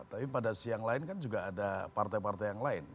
tapi pada siang lain kan juga ada partai partai yang lain